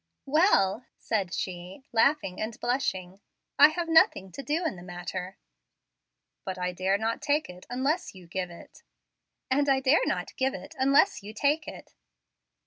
"Well," said she, laughing and blushing, "I have nothing to do in the matter." "But I dare not take it unless you give it." "And I dare not give it unless you take it."